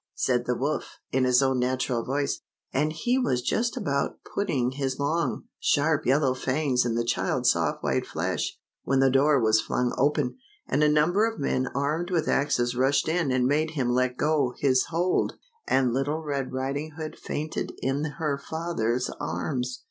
said the wolf, in his own natural voice ; and he was just about putting his long, sharp yellow fangs in the child's soft white flesh, when the door was flung open, and a number of men armed with axes rushed in and made him let go his hold, and Little Red Riding Hood fainted in her father's arms.